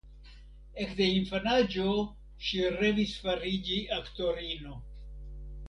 Ekde infanaĝo ŝi revis fariĝi aktorino.